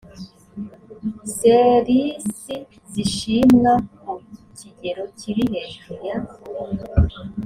ser isi zishimwa ku kigero kiri hejuru ya